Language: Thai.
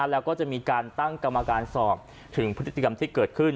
แล้วก็จะมีการตั้งกรรมการสอบถึงพฤติกรรมที่เกิดขึ้น